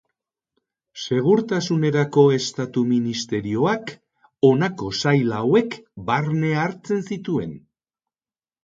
Segurtasunerako Estatu Ministerioak honako sail hauek barne hartzen zituen.